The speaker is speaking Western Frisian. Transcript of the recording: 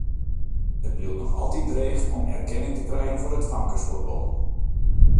It bliuwt noch altyd dreech om erkenning te krijen foar it famkesfuotbal.